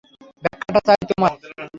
ব্যাখ্যা চাই তোমার?